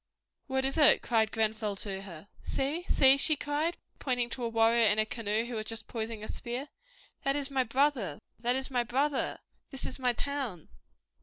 "What is it?" cried Grenfell to her. "See see!" she cried, pointing to a warrior in a canoe who was just poising a spear, "that is my brother! That is my brother! This is my town!"